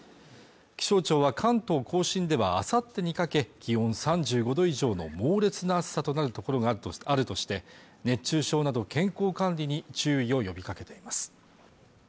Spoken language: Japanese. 気象庁は関東甲信ではあさってにかけ気温３５度以上の猛烈な暑さとなる所があるとして熱中症など健康管理に注意を呼びかけています